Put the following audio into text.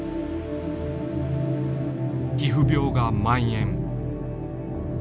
皮膚病がまん延。